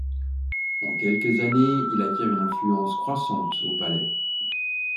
En quelques années, il acquiert une influence croissante au palais.